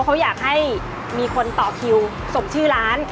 เขาอยากให้มีคนต่อคิวส่งชื่อร้าน